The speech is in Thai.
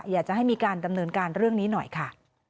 อยากจะให้มีการดำเนินการเรื่องนี้หน่อยค่ะ